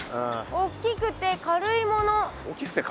大きくて軽いもの？